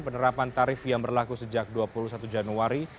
penerapan tarif yang berlaku sejak dua puluh satu januari